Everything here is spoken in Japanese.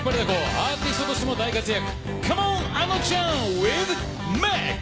アーティストとしても大活躍。